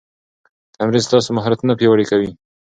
تمرین ستاسو مهارتونه پیاوړي کوي.